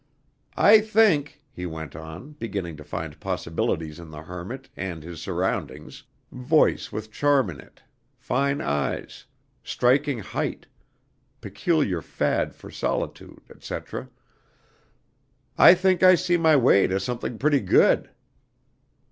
"I think," he went on, beginning to find possibilities in the hermit and his surroundings (voice with charm in it: fine eyes: striking height: peculiar fad for solitude, etc.) "I think I see my way to something pretty good."